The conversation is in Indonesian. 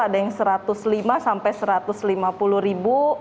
ada yang rp satu ratus lima sampai rp satu ratus lima puluh